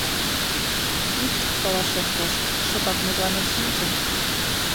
Ит толашен кошт, шыпак мутланен шинче.